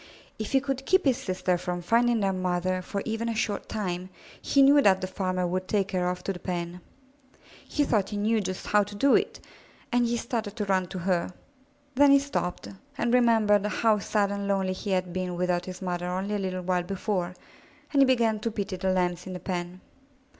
If he could keep his sister from finding their mother for even a short time, he knew that the farmer would take her off to the pen. He thought he knew just how to do it, and he started to run to her. Then he stopped and remembered how sad and lonely he had been without his mother only a little while before, and he began to pity the Lambs in the pen.